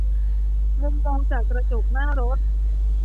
มุมมองจากกระจกหน้ารถ